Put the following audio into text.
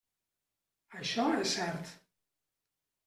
Això és cert.